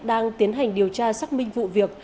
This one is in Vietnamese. đang tiến hành điều tra xác minh vụ việc